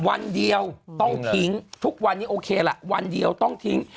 วันเดียวต้องทิ้งทุกวันนี้โอเคละวันเดียวต้องทิ้ง